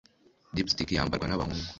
lipstick yambarwa nabahungu